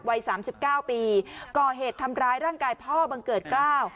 วัยสามสิบเก้าปีก่อเหตุทำร้ายร่างกายพ่อบังเกิดกล้าว